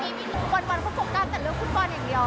วันนี้ก็ปฟลการณ์แต่เลื่อยคุณมันอย่างเดียว